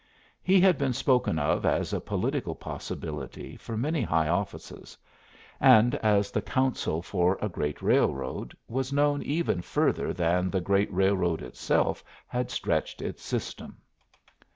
He had been spoken of as a political possibility for many high offices, and, as the counsel for a great railroad, was known even further than the great railroad itself had stretched its system.